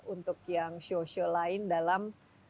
untuk yang show show lain dalam